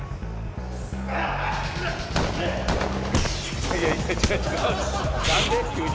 いやいやいや違うじゃん。